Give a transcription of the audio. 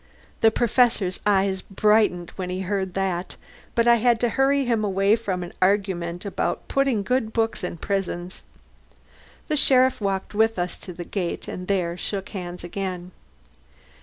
The Professor's eyes brightened when he heard that, but I had to hurry him away from an argument about putting good books in prisons. The sheriff walked with us to the gate and there shook hands again.